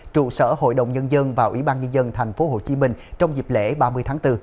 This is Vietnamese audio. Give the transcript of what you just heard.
trụ sở hội đồng nhân dân và ủy ban nhân dân thành phố hồ chí minh trong dịp lễ ba mươi tháng bốn